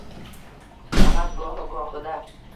Faqat gohi goxida